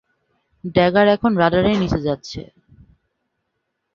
Dagger এখন রাডারের নিচে যাচ্ছে।